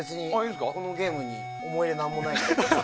このゲームに思い入れなんもないから。